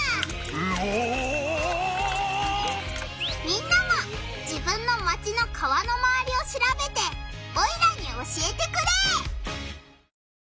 みんなも自分のマチの川のまわりをしらべてオイラに教えてくれ！